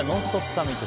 サミット。